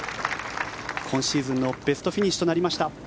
今シーズンのベストフィニッシュとなりました。